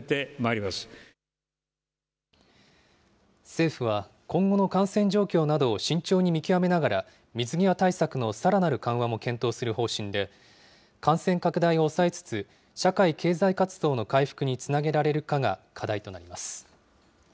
政府は、今後の感染状況などを慎重に見極めながら、水際対策のさらなる緩和も検討する方針で、感染拡大を抑えつつ、社会・経済活動の回復につなげられるかが課題となります。